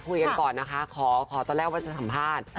คุยกันก่อนนะคะขอตอนแรกว่าจะสัมภาษณ์